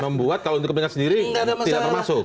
membuat kalau untuk kepentingan sendiri tidak termasuk